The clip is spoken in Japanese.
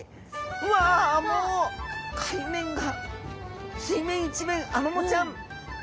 うわもう海面が水面一面アマモちゃん。